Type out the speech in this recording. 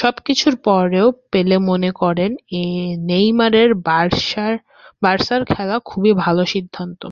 সবকিছুর পরও পেলে মনে করেন, নেইমারের বার্সায় খেলা খুবই ভালো সিদ্ধান্ত।